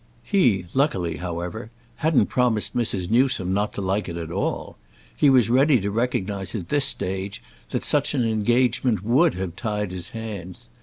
He luckily however hadn't promised Mrs. Newsome not to like it at all. He was ready to recognise at this stage that such an engagement would have tied his hands.